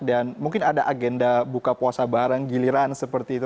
dan mungkin ada agenda buka puasa bareng giliran seperti itu